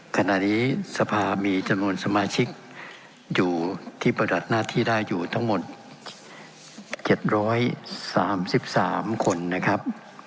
ขณะนี้สภามีจำนวนสมาชิกอยู่ที่ประดับหน้าที่ได้อยู่ทั้งหมด๗๓๓คนนะครับ